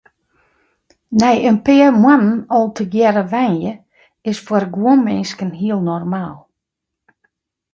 Nei in pear moannen al tegearre wenje is foar guon minsken heel normaal.